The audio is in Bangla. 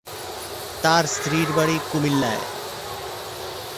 তার স্ত্রীর বাড়ি কুমিল্লায়।